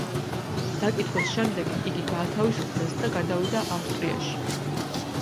დაკითხვის შემდეგ იგი გაათავისუფლეს და გადავიდა ავსტრიაში.